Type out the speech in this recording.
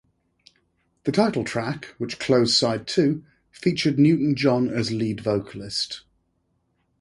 The title track which closed side two featured Newton-John as lead vocalist.